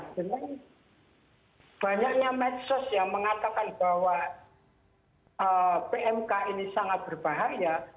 karena banyaknya medsos yang mengatakan bahwa pmk ini sangat berbahaya